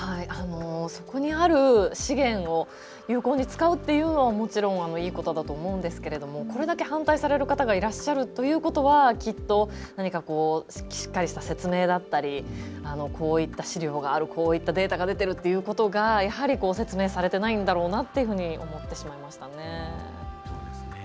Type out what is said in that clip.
そこにある資源を有効に使おうというのはもちろん、いいことだと思うんですけれどもこれだけ反対される方がいらっしゃるということはきっと何かしっかりした説明だったりこういった資料があるこういったデータが出てるっていうことが説明されてないんだろうなと思ってしまいましたね。